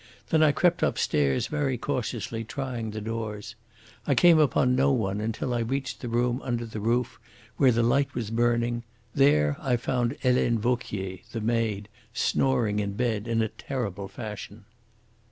Then I crept upstairs very cautiously, trying the doors. I came upon no one until I reached the room under the roof where the light was burning; there I found Helene Vauquier, the maid, snoring in bed in a terrible fashion."